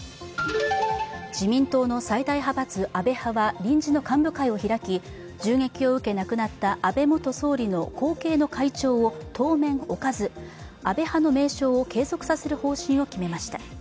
自民党の最大派閥・安倍派は臨時の幹部会を開き、銃撃を受け、亡くなった安倍元総理の後継の会長を当面おかず、安倍派の名称を継続することを決めました。